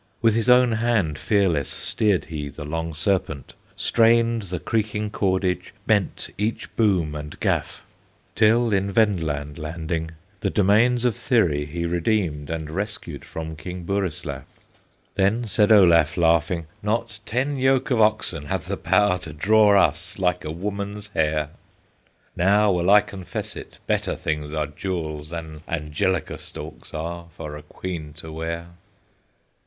With his own hand fearless, Steered he the Long Serpent, Strained the creaking cordage, Bent each boom and gaff; Till in Vendland landing, The domains of Thyri He redeemed and rescued From King Burislaf. Then said Olaf, laughing, "Not ten yoke of oxen Have the power to draw us Like a woman's hair! "Now will I confess it, Better things are jewels Than angelica stalks are For a Queen to wear."